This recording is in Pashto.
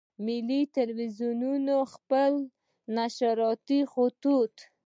ملي ټلویزیونونه خپل نشراتي خطوط.